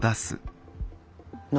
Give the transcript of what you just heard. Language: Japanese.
何？